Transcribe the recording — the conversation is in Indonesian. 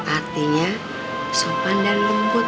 artinya sopan dan lembut